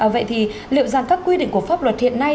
vậy thì liệu rằng các quy định của pháp luật hiện nay